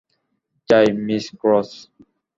যাই, Miss cross.